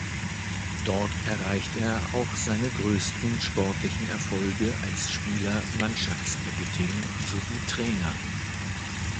Dort erreichte er auch seine größten sportlichen Erfolge als Spieler, Mannschaftskapitän sowie Trainer.